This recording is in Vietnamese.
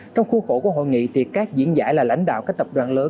trong khuôn khổ của hội nghị các diễn giả là lãnh đạo các tập đoàn lớn